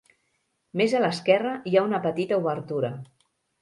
Més a l'esquerra hi ha una petita obertura.